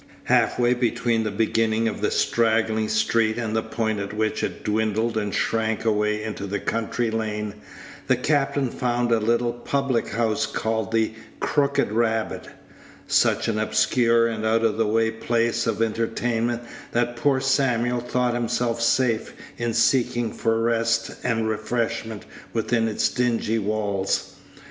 Half way between the beginning of the straggling street and the point at which it dwindled and shrank away into a country lane, the captain found a little public house called the "Crooked Rabbit" such an obscure and out of the way place of entertainment that poor Samuel thought himself safe in seeking for rest and refreshment within its dingy walls.